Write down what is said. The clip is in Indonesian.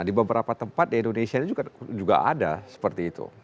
di beberapa tempat di indonesia juga ada seperti itu